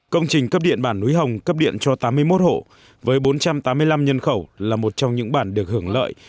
công trình cấp điện bản núi hồng cấp điện cho tám mươi một hộ với bốn trăm tám mươi năm nhân khẩu là một trong những bản được hưởng lợi